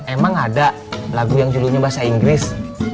emang ada lagu yang judulnya bahasa inggris